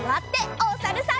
おさるさん。